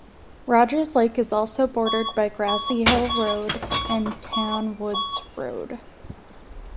Rogers Lake is also bordered by Grassy Hill Road and Town Woods Road.